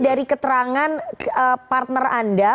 dari keterangan partner anda